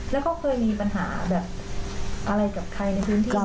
แล้วเขาเคยมีปัญหาแบบอะไรกับใครในพื้นที่